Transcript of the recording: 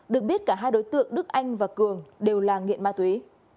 được biết cả hai đối tượng đức anh và cường đều là nghiện ma túy